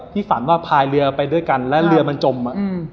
ฝันว่าพายเรือไปด้วยกันแล้วเรือมันจม